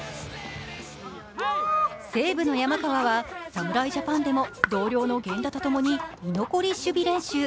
西武の山川は侍ジャパンでも同僚の源田とともに居残り練習。